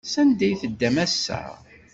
Sanda ay teddam ass-a?